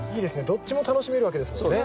どっちも楽しめるわけですもんね。